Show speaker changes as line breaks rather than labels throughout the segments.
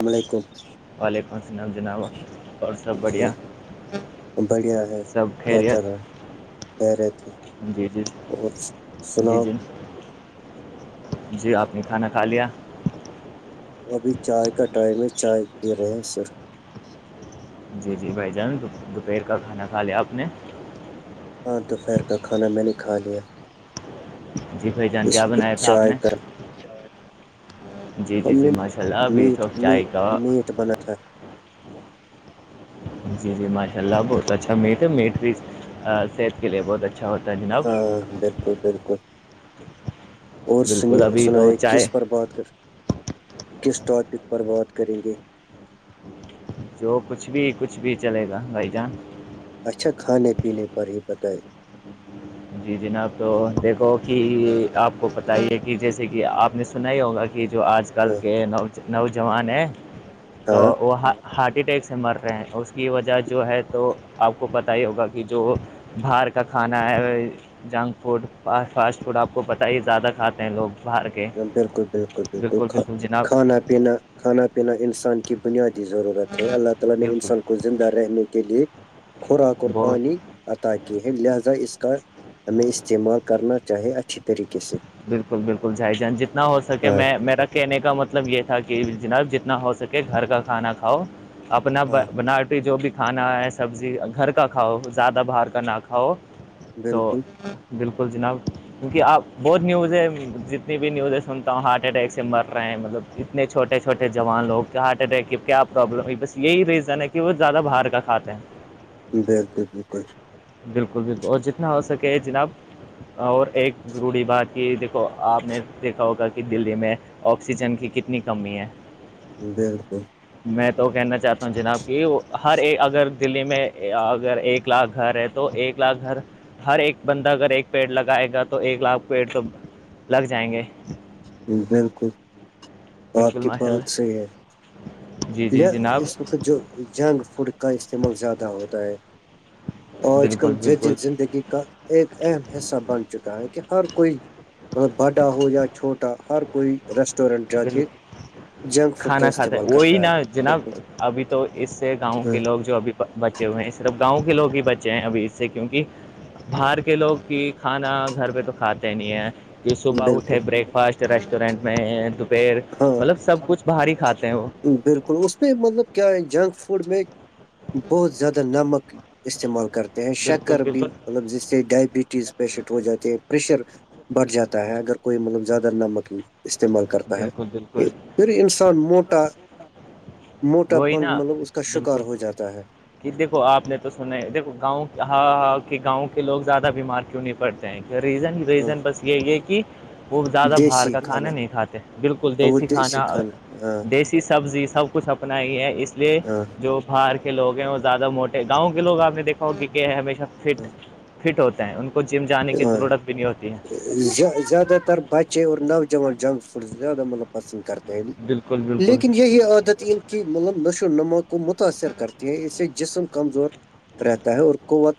السلام علیکم
وعلیکم السلام جناب اور سب
جی
بڑھیا
بڑھیا ہے
سب
کیا چل رہا
خیریت
ہے کہہ رہے تھے
جی جی
اور
جی
سناؤ
جی جی آپ نے کھانا کھا لیا
ابھی چائے کا ٹائم ہے چائے پی رہے ہیں سر
جی جی بھائی جان دوپہر کا کھانا کھا لیا آپ نے
پانچ دوپہر کا کھانا میں نے کھا لیا
جی بھائی جان
اس
کیا
وقت
بنایا تھا آپ
چائے
نے
کر
جی
ا
جی جی ماشاء اللہ اب یہ
میٹ
سب چائے کا
میٹ بن تھا
جی جی ماشاء اللہ بہت اچھا میٹ ہے میٹ بھی صحت کے لیے بہت اچھا ہوتا ہے جناب
ہاں بالکل بالکل اور
بالکل ابھی تو
سنائے
چائے
کس پر بات کر کس ٹاپک پر بات کریں گے
جو کچھ بھی کچھ بھی چلے گا بھائی جان
اچھا کھانے پینے پر ہی بتائے
جی جناب تو دیکھو کہ آپ کو پت ہی ہے کہ جیسے کہ آپ نے سنا ہی ہوگا کہ کہ جو آج کل
ہاں
کے نوجوان ہیں تو
ہاں
وہ ہارٹ اٹیک سے مر رہے ہیں اس کی وجہ جو ہے تو آپ کو پتتاہ ہی ہوگا کہ جو باہر کا کھانا ہے جنک فوڈ فاسٹ فوڈ آپ کو پتہ ہی زیادہ کھاتے ہیں لوگ باہر کے
بالکل بالکل بالکل کانہ پینا کھانا پینا انسان کی بنیادی ضرورت ہے اللہ تعالی نے
بالکل
انسان کو زندہ رہنے کے لیے خوراک اور
بہت
پانی عطا کی ہیں لہذا اس کا ہمیں استعمال کرنا چاہی اچھی طریقے سے
بالکل بالکل جھائی جان جتنا ہو سکے
ہاں
میں میرا کہنے کا مطلب یہ تھا کہ جناب جتنا ہو سکے گھر کا کھانا کھاؤ اپنا
ہاں
بناٹی جو بھی کھانا ہے سبزی گھر کا کھاؤ زیادہ باہر کا نہ ک تو
بالکل
بالکل جناب کیونکہ آپ بہت نیوز ہیں جتنی بھی نیوزیں سنتا ہوں ہارٹ اٹیک سے مر رہے ہیں مطلب اتنے چھوٹے چھوٹے جوان لوگ ہارٹ اٹیک ہے کیا پرابلم ہے بس یہی ریزن ہے کہ وہ زیادہ باہر کا کھاتے ہیں
بالکل بالکل
بالکل بالکل اور جتنا ہو سکے جناب اور ایک ضروری بات کہ دیکھو آپ نے دیکھا ہوگا کہ دلی میں آکسیجن کی کتنی کمی ہے
بالکل
میں تو کہنا چاہتا ہوں جناب کہ ہر ایک اگر دلی میں اگر ایک لاکھ گھر ہے تو تو ایک لاکھ گھر ہر ایک بندہ اگر ایک پیڑ لگائے گا تو ایک لاکھ پیڑ تو لگ جائیں گے
بالکل آپ
بالکل
کی
ماشاء
بات
اللہ
صحی ہے
جی جی
لیا
جناب
اس وقت جو جنک فوڈ کا استعمال زیادہ ہوتا ہے آج کل
بالکل بالکل
جدید زندگی کا ایک اہم حصہ بن چکا ہے کہ ہر کوئی باڈا ہو یا چھوٹا ہر کوئی ریسٹورینٹ جا
بالکل
کے جنک فوڈ کا
کھانا کھاتے
استعمال
ہیں
کرتا
وہی نا
ہے
جناب
بالکل
ابھی تو اس سے گاؤں
ہاں
کے لوگ جو اب بچے ہوئے ہیں صرف گاؤں کے لوگ ہی بچے ہیں ابھی اس سے کیونکہ باہر کے لوگ کی کھانا گھر پہ تو کھاتے نہیں ہے کہ صبح
بالکل
اٹھے بریک فاسٹ ریسٹورینٹ میں دوپہر
ہاں
مطلب سب کچھ باہر ہی کھاتے ہیں وہ
بالکل اس میں مطلب کیا جنک فوڈ میں بہت زیادہ نمک استعمال کرتے ہیں
بالکل
شکر بھی
بالکل
مطلب جیسے ڈائبٹیز پیشنٹ ہو جاتے پریشر بڑھ جاتا ہے اگر کوئی مطلب زیادہ ن مت استعمال کرتا ہے
بالکل
کہ
بالکل
پھر انسان موٹ ٹا موٹا
وہی
پنگ
نا
مطلب اس کا شکار
بالکل
ہو جاتا ہے
کہ دیکھو آپ نے تو سنا ہے دیکو گاؤں ہاں ہاں کہ گاؤں کے لوگ زیادہ بیمار کیوں نہیں پڑتے ہیں ریزن
ہاں
ریزن بس یہ یہ کہ وہ زیادہ باہر کا کھانا نہیں کھاتے بالکل
ہاں وہ
دیسی کھانا
کھانا ہاں
دی ایسی سبزی سب کچھ اپناائی ہے اس لیے
ہاں
جو باہر کے لوگ ہیں وہ زیادہ موٹے گاؤں کے لوگ آپ نے دیکھا ہو کہ کہ ہے ہمیشہ فٹ فٹ ہوتے ہیں ان کو جم جانے کی
ہاں
ضرورت بھی نہیں ہوتی ہے
زیادہ تر بچے اور نوجان جنک فوڈ زیادہ مطلب پسند کرتے ہیں
بالکل بالکل
لیکن یہی عادت کی مطلب نشو و نما کو متاثر کرتے ہیں اسے جسم کمزور رہتا ہے اور قوت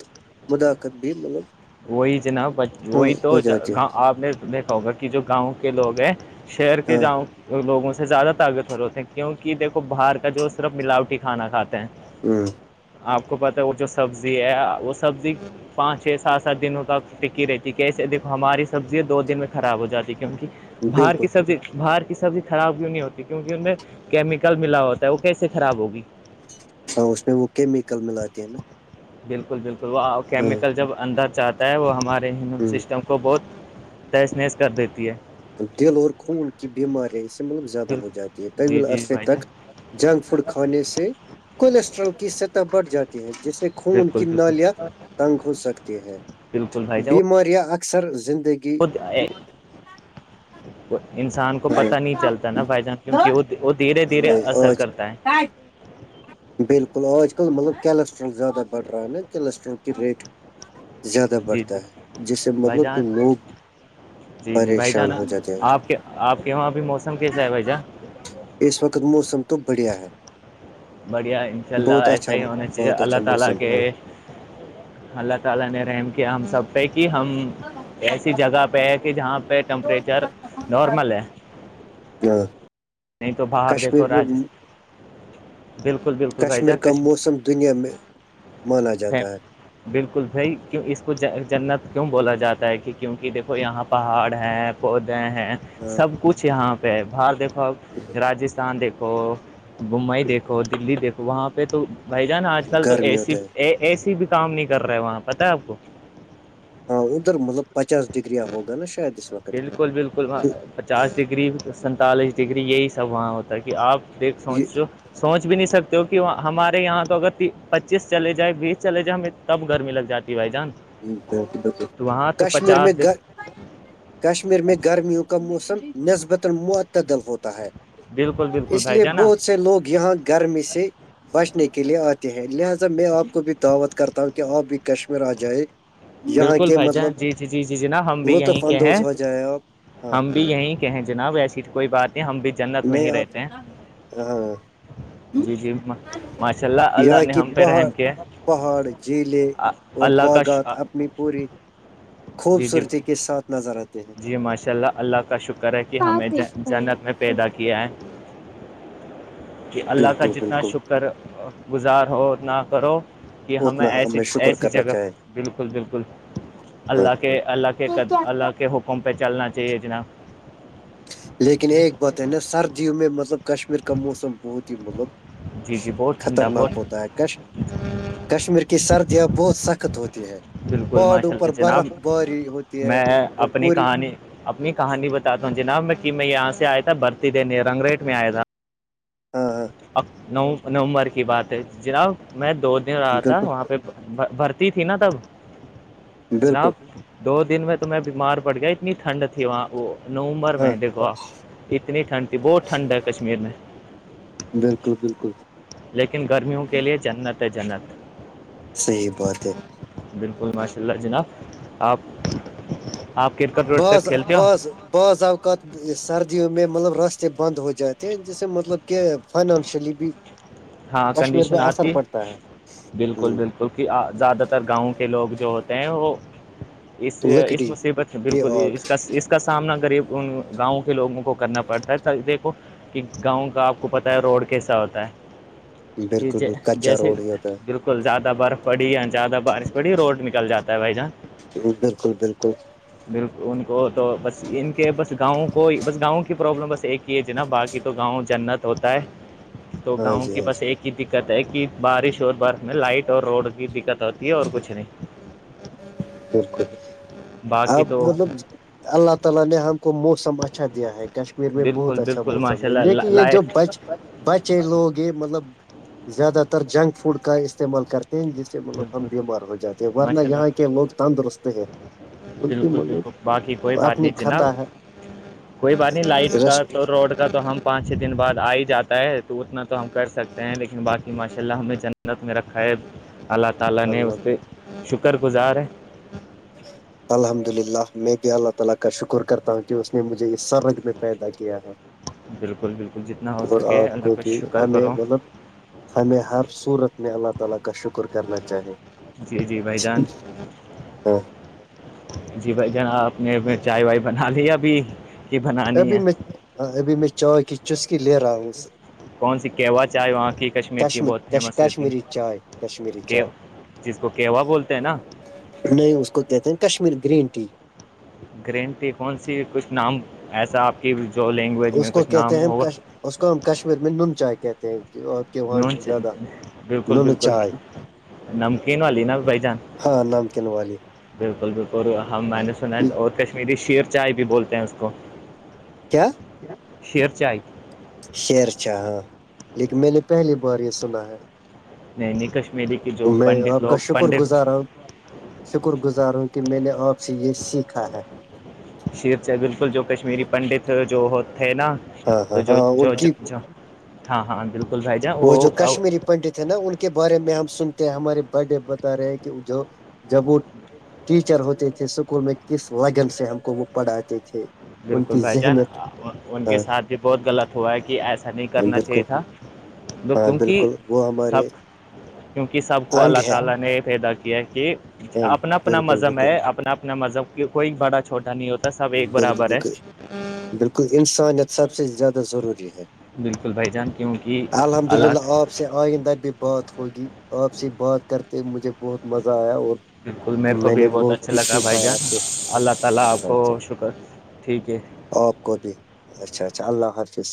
مداخت بھی مطلب
وہی جناب
ہاں
وہی تو
ہو جاتی ہے
گاؤں آپ نے دیکھا ہوگا کہ جو گاؤں کے لوگ ہیں شہر کے
ہاں
جاؤں لوگوں سے زیادہ طاقت تے ہیں کیوںک دھو باہر کا جو صرف ملاوٹی کھانا کھاتے ہیں
ہوں
آپ کو پتا ہے وہ جو سبزی ہے وہ سبزی پانچ سات سات دنوں تک ٹکی رہتی کیسے دیکو ہماری سبزیاں دو دن میں خراب ہو جاتی کیونکہ باہر کی
بالکل
سبزی باہر کی سبزی خراب کیوں نہیں ہوتی کیونکہ ان میں کیمیکل ملا ہوتا ہے وہ کیسے خراب ہوگی
ہاں اس میں وہ کیمیکل ملاتی ہے نا
بالکل بالکل وہ
ہاں
کیمیکل جب اندر چاہتا ہے وہ ہمارے
ہ
سسٹم کو بہت تیشنییس کر دیتی ہے
دل اور خون کی بیمارییاں اس سے مطلب زیادہ ہو جاتی ہے
بالکل جی
طویل
جی
عرصے
بھائی
تک
جان
جنک فوڈ کھانے سے کولیسٹرول کی سطح بڑھ جاتی ہے جس خون
بالکل
کی
بالکل
نالیاں تنگ ہو سکتی ہیں
بالکل بھائی جان
بیماریاں اکر اکثر زندگی
انسان کو
ہاں،
پتا نہیں چلتا نا بائی جان کیونکہ وہ دھیرے دھیرے
نہیں
اثر
آج
کرتا ہے
بالکل آج کل مطلب کیلسٹرول زیادہ بڑرا نا کیلسٹرال کی ریٹ زیادہ
جی
بڑھتا
جی
ہے جس سے
بھائی
مطلب کہ
جان
لوگ
جی جی بھائی
پریشان
جانا
ہو جاتے ہیں
آپ کے آپ کے وہاں بھی موسم کیسا ہے بھائی جان
اس وقت موسم تو بڑھیا ہے
بڑھیا انشاءاللہ
بہت
ایسا
اچھا
ہی ہونا چاہیے
بہت
اللہ
اچھا
تعالی
موسم
کے
ہاں
اللہ تعالی نے رحم کیا ہم سب پہ کی ہم ایسی جگہ پہ ہے کہ جہاں پہ ٹمپریچر نارمل ہے
کیا
نہیں تو باہر دیکھو راج بالکل بالکل بھائی جہ
کشمیر کا
کش
موسم دنیا میں مانا جاتا ہے
بالکل بھائی کیوں اس کو جنت کیوں بولا جاتا ہے کہ کیونکہ دیکھو یہاں پہاڑ ہیں پودے ہیں
ہاں
سب کچھ یہاں پہ باہر دیکھو آپ راجستھان دیکھو بمبئی دیکھو دلی دیکھو وہاں پہ تو بھائی جان آج کل تو اے
گرمی
سی
ہوتے ہیں
اے سی بھی کام نہیں کر رہے وہاں پتہ ہے آپ کو
ہاں ادھر مطلب پچاس ڈگریاں ہوگا نا شاید اس وقت
بالکل بالکل وہاں پچاس ڈگری سینتالیس ڈگری یہی سب وہاں ہوتا ہے کہ آپ دیکھ
یہ
سمنچ جو سوچ بھی نہیں سکتے ہو کہ ہمارے یہاں تو اگر پچیس چلے جائے بیس چلے جائے ہمیں تب گرمی لگ جاتی بھائی جان
بالکل بالکل
تو وہاں تو
کشمیر میں
پچاس
گ کشمیر میں گرمیوں کا موسم نسبتا معتدل ہوتا ہے
بالکل بالکل
اس
بھائی
لیے
جان نا
بہت سے لوگ یہاں گرمی سے بچنے کے لیے آتے ہیں لہذا میں آپ کو بھی دعوت کرتا ہوں کہ آپ بھی کشمیر آ جائے یہاں
بالکل
کے
بھائی جان
مطلب
جی جی جی جی جناب ہم بھی یہیں
لطف
کہ ہیں
اندوز ہو جائے آپ ہاں
ہم بھی یہیں کہ ہیں جناب ایسے کوئی بات نہیں ہم بھی جنت میں
نہیں
ہی رہتے ہیں
آپ ہاں
جی جی ماشاء اللہ اللہ
یہاں
نے
کی
ہم فہ
پہاڑ
رحم کیا
پہاڑ جھیلیں
ہے،
اور
اللہ کا
باغات اپنی پوری
جی جی
خوبصورتی کے ساتھ نظر آ
جی ماشاء اللہ اللہ کا شکر ہے کہ ہمیں جنت میں پیدا کیا ہے کہ اللہ کا
بالکل
جتنا
بالکل
شکر گزار ہو اتنا کرو کہ ہمیں
اتنا
ایسی
شکر
ایسی
کرنا
جگہ
چاہے
بالکل بالکل
ہاں
اللہ کے اللہ کے اللہ کے حکم پہ چلنا چاہیے جناب
لیکن ایک بات ہے نا سردیوں میں مطلب کشمیر کا موسم بہت ہی مطلب
جی جی بہت ٹھنڈا
خطرناک
بہت
ہوتا ہے کش کشمیر کی سردیاں بہت سخت ہوتی ہیں
بالکل
پہاڑوں
ماشاء اللہ
پر
جناب
برف باری ہوتی ہے
میں
اور
اپنی
پوری
کہانی اپنی کہانی بتاتا ہوں جناب میں میں یہاں سے آیا تھا بھرتی دینے رنگ ریٹ میں آیا تھا
ہاں ہاں
نومبر کی بات ہے جناب میں دو دن رہا تھا
بالکل
وہاں پہ بھرتی تھی نا تب
بالکل
جناب دو دن میں توم بیمار پڑ گیا اتنی ٹھنڈ تھی وہاں وہ نومبر
ہاں
میں دیکھو آپ اتنی ٹھنڈ تھی بہت ٹھنڈ ہے کشمیر میں
بالکل بالکل
لیکن گرمیوں کے لیے جنت ہے جنت
صحیح بات ہے
بالکل ماشاء اللہ جناب آپ کرکٹ
بس
ورکٹ کھیلتے ہو
بس بض آو کات سردیوں میں مطلب راستے بند ہو جاتے ہیں جیس سے مطلب کہ فائنانشلی بھی
ہاں
کشمیر
کنڈیشن
میں اثر
آتی
پڑتا
ہے
ہ
بالکل بالکل کیونکہ زیادہ تر گاؤں کے لوگ جو ہوتے ہیں وہ اس اس
لکڑی
مصیبت سے
کہ
بالکل ہی
آگ
اس کا اس کا سامنا غریب گاؤں کے لگوں کو کرنا پڑتا ہے دیکھو کہ گاؤں کا آپ کو پتا ہے روڈ کیسا ہوتا ہے کہ
بالکل بالکل کچا
جیسے
روڈ ہی ہوتا ہے
بالکل زیادہ برف پڑی ان جدہ بارش پڑی روڈ نکل جاتا ہے بھائی جان
بالکل بالکل
بال ان کو تو بس ان کے بس گاؤں کو ہی بس گاؤں کی پرابلم بس ایک نا باقی تو گاؤں جنت ہوتا ہے تو
ہاں
گاؤں
جی
کے
ہاں جی
بس ایک ہی کی دقت ہے کہ بارش اور برف میں لائٹ اور روڈ کی دقت ہوتی ہے اور کچھ نہیں ا [unintelligible]
بالکل آپ مطلب اللہ تعالی نے ہم کو موسم اچھا دیا ہے کشمیر میں
بالکل
بہت اچھا
بالکل ماشاء
موسم ہے
اللہ
لیکن یہ جو
لائٹ
بچ بچے لوگ یہ مطلب زیادہ تر جنک فوڈ کا استعمال کرتے ہیں مطلب ہم
بالکل
بیمار ہو جاتے ہیں ورنہ
ماشاء
یہاں
اللہ
کے لوگ تندرست ہے بکہ
بالکل بالکل باقی کوئی
مطلب
بات
اپنی
نہیں جناب
خطہ ہے
کوئی بات نہیں لائٹ کا
رسٹ
تو روڈ کا تو ہم پانچ چھ دن بعد آ ہی جاتا ہے تو اتنا تو ہم کر سکتے ہیں لیکن باقی ماشاء اللہ ہمیں جنم گھر میں رکھا ہے اللہ تعالی نے اس
اللہ
پہ شکر گزار جی
الحمدللہ میں بھی اللہ تعالی کا شکر کرتا ہوں کہ اس نے مجھے یہ سر رگ میں پیدا کیا ہے
بالکل بالکل جتنا ہو
اور
سکے
آپ
اللہ
کو
کا
بھی
شکر
ہمیں
کرو
مطلب ہمیں ہر صورت میں اللہ تعالی کا شکر کرنا چاہیے
جی جی بھائی جان
ہاں
جی بھائی جان آپ نے چائے وائے بنا لی ابھی کہ بنانی
ابھی
ہے
میں ابھی میں چا کی چسکی لے رہا ہوں سے
کون سی کیوہ چائے وہاں کی کشمیر کی بہت فیمس ہو تھی
کشمیری چائے کشمیری چائے
جس کو کیوا بولتے ہیں نا
اس کو کشمیر گرین ٹی
گرینٹی کون سی کچھ نام ایسا آپ کی جو لینگویج میں
اس کو
کچھ
کہتے
نام
ہیں ہم
ہوگا
کش اس کو ہم کشمیر میں نون چائے کہتے ہیں
نون
کے زیادہ
بالکل
نن
بالکل
چائےائے
نمکین والی نا بھائی جان
ہاں نمکین والی
بالکل بالکل ہم میں نے سنا اور کشمیری شیر چائے بھی بولتے ہیں اس کو
کیا
شیر آئی
شیرچا ہاں لیکن میں نے پہلی بار یہ سنا ہے
نین کشمیری کی جو
میں
پنڈت
آپ کا
لوگ
شکر
پنڈت
گزار ہوں شکر گزار ہوں کہ میں نے آپ سے یہ سیکھا ہے
شر بالکل جو کشمیری پنڈت جو تھے نا
ہاں
تو
ہاں ہاں ان کی
ہاں ہاں بالکل بھائی جان
وہ جو کشمیری پنڈت ہے نا ان کے بارے میں ہم سنتے ہیں ہمارے بڈے بتا رہے ہیں کہ جو جب وہ ٹیچر ہوتے تھے اسکول میں کس لگن سے ہم کو وہ پڑھاتے تھے ان
بالکل
کی
بھائی جان
ذہنیت
ان کے
ہاں
ساتھ بھی بہت غلط ہوا ہے کہ ایسا نہیں
ہاں،
کرنا چاہیے
بالکل
تھا تو
ہاں
کیونکہ
بالکل وہ
سب
ہمارے
کیونکہ سب کو
انگ
اللہ
ہے
تعالی نے پیدا کیا ہے ٹھیک
ہاں
اپنا اپنا
بالکل
مذہب
بالکل
ہے اپنا اپنا مذہب کی کوئی بڑا چھوٹا نہیں ہوتا سب ایک برابر ہے
کیکہ بالکل انسانیت سب سے زیادہ ضروری ہے
بالکل بھائی جان کیونکہ حالات
آ سے آئندہ بھی بات ہوگی آپ سے بات کرتے مجھے بہت مزہ آیا اور
مجھے تو
میں
بھی
نے
بہت اچھا
کچھ
لگا
سیکھا
بھائی
ہے آپ
جان
سے
اللہ تعالی اپ
اچھا اچھا
کو
آپ گوبی اچھا اچھا اللہ حافظ